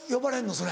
それ。